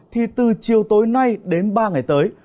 thì từ chiều tối nay đến ba ngày tới